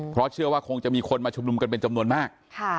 เพราะเชื่อว่าคงจะมีคนมาชุมนุมกันเป็นจำนวนมาก